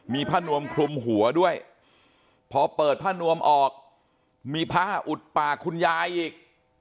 มีผ้านวมคลุมหัวด้วยพอเปิดผ้านวมออกมีผ้าอุดปากคุณยายอีก